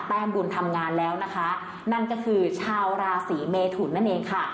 บุญทำงานแล้วนะคะนั่นก็คือชาวราศีเมทุนนั่นเองค่ะ